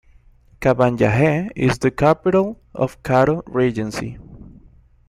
Kabanjahe is the capital of Karo Regency.